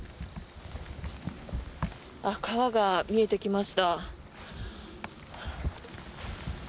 川が見えてきました。